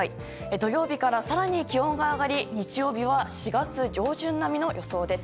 土曜日から更に気温が上がり日曜は４月上旬並みの予想です。